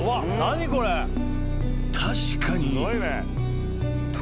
［確かに］